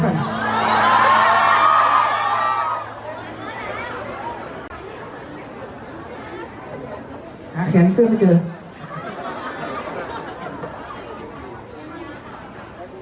หาแขนเสื้อไม่เดิน